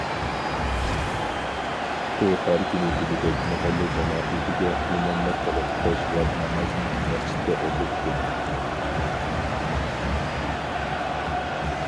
ئۇ ھەر كۈنى دېگۈدەك مەھەللە جامائىتىگە ئىماملىق قىلىپ بەش ۋاق نامازنى مەسچىتتە ئوقۇيتتى.